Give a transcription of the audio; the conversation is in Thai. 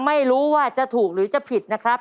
ไม่รู้ว่าจะถูกหรือจะผิดนะครับ